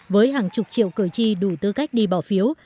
với hàng chục triệu cử tri đủ tư cách đi bỏ phiếu